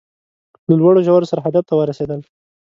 له لوړو ژورو سره هدف ته ورسېدل